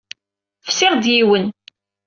Fsiɣ-d yiwen.